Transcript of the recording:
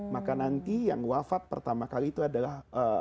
maka nanti yang wafat pertama kali itu adalah